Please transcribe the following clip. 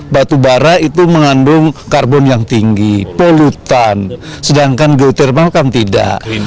batu bara itu mengandung karbon yang tinggi polutan sedangkan geotermal kan tidak